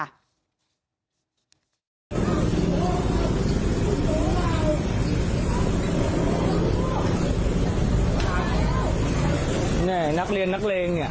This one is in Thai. เนี่ยนักเรียนนักเลงเนี่ย